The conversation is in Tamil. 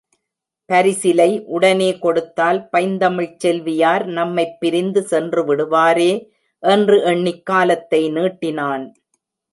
பரிசிலை உடனே கொடுத்தால் பைந்தமிழ்ச் செல்வியார் நம்மைப் பிரிந்து சென்று விடுவாரே என்று எண்ணிக் காலத்தை நீட்டினான்.